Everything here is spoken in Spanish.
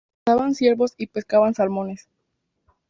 Cazaban ciervos y pescaban salmones.